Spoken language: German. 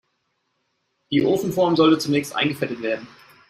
Die Ofenform sollte zunächst eingefettet werden.